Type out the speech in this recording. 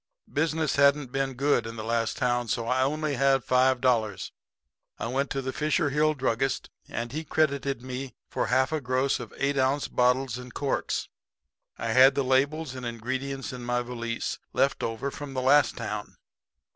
"Business hadn't been good in the last town, so I only had five dollars. I went to the Fisher Hill druggist and he credited me for half a gross of eight ounce bottles and corks. I had the labels and ingredients in my valise, left over from the last town.